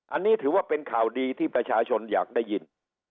อันนี้ถือว่าเป็นข่าวดีที่ประชาชนอยากได้ยิน